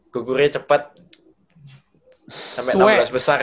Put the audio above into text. gugurnya cepat sampai enam belas besar